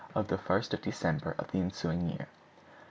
of the 1st of December of the ensuing year.